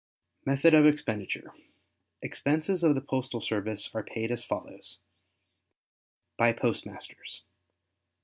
Method of Expenditure Expenses of the postal service are paid as follows: By Postmasters.